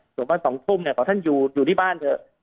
ส่วนวัน๒ทุ่มขอท่านอยู่ที่บ้านเถอะ